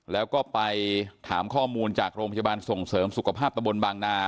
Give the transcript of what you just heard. แล้วก็ไปถามข้อมูลจากโรงพยาบาลส่งเสริมสุขภาพตะบนบางนา